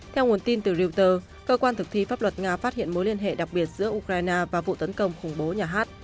theo nguồn tin từ reuter cơ quan thực thi pháp luật nga phát hiện mối liên hệ đặc biệt giữa ukraine và vụ tấn công khủng bố nhà hát